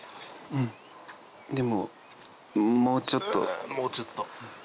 うんもうちょっと。